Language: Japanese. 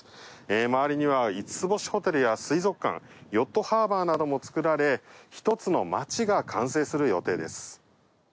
まわりには５つ星ホテルや水族館、ヨットハーバーなどが作られ１つのまちが完成する予定です。